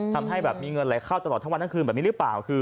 ทำให้แบบมีเงินไหลเข้าตลอดทั้งวันทั้งคืนแบบนี้หรือเปล่า